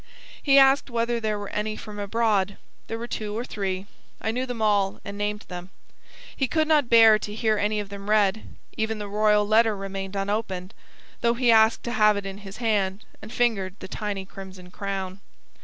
He asked whether there were any from abroad. There were two or three. I knew them all, and named them. He could not bear to hear any of them read; even the royal letter remained unopened, though he asked to have it in his hand, and fingered the tiny crimson crown.